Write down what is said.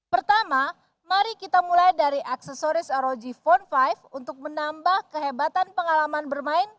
pertama mari kita mulai dari aksesoris rog phone lima untuk menambah kehebatan pengalaman bermain